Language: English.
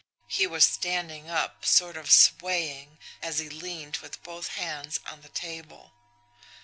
He was standing up, sort of swaying, as he leaned with both hands on the table.